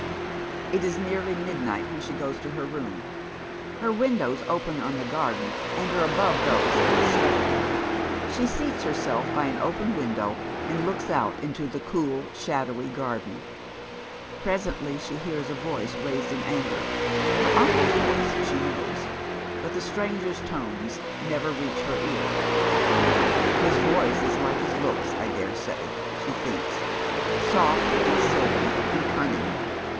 It is nearly midnight when she goes to If" " om. Her windows open on the garden, and are above those c ,:.*e study. She seats herself by an open window, and looks out into the cool, shadowy garden. Presently she hears a voice raised in anger, her uncle's voice, she knows ; but tl^e stranger's tones never reach her ear. " His voice is like his looks, I dare say," she thinks, " soft, and silky, and cunning.